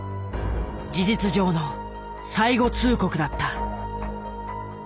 事実上の最後通告だった。